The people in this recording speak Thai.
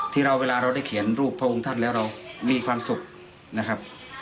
เวลาเราได้เขียนรูปพระองค์ท่านแล้วเรามีความสุขนะครับ